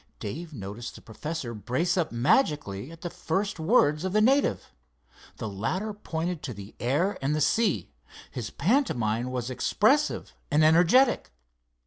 Dave noticed the professor brace up magically at the first words of the native. The latter pointed to the air and the sea. His pantomime was expressive and energetic.